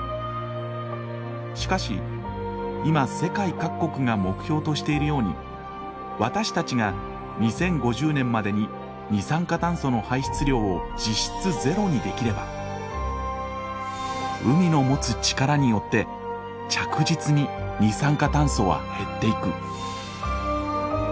しかし今世界各国が目標としているように私たちが２０５０年までに二酸化炭素の排出量を実質０にできれば海の持つ力によって着実に二酸化炭素は減っていく。